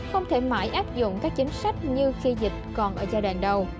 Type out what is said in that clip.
không thể mãi áp dụng các chính sách như khi dịch còn ở giai đoạn đầu